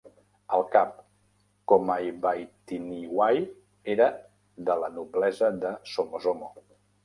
El cap Komaibatiniwai era de la noblesa de Somosomo.